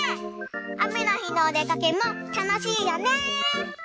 あめのひのおでかけもたのしいよね。